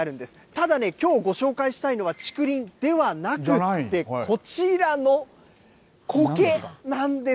ただね、きょうご紹介したいのは竹林ではなくて、こちらのコケなんです。